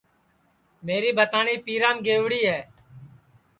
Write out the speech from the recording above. میری بھتاٹؔؔی پیرام گئیوڑی ہے